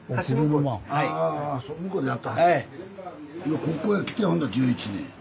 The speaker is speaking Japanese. ここへ来てほんで１１年。